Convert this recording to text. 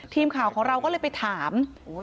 ทีมข่าวของเราก็เลยไปถาม